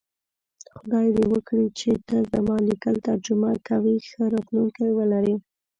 خدای دی وکړی چی ته زما لیکل ترجمه کوی ښه راتلونکی ولری